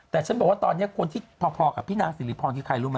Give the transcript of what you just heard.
แต่ฉันบอกว่าตอนนี้คนที่พอกับพี่นางสิริพรคือใครรู้ไหม